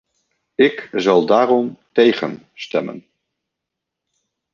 Ik zal daarom tegen stemmen.